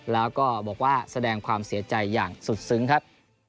แล้วก็บอกว่าแสดงความเสียใจอย่างสุดซึ้งครับ